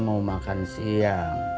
oh ini dia